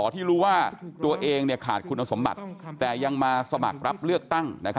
ที่รู้ว่าตัวเองขาดคุณสมบัติแต่ยังมาสมัครรับเลือกตั้ง